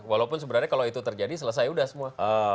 walaupun sebenarnya kalau itu terjadi selesai sudah semua